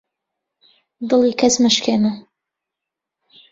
دڵی کەس مەشکێنە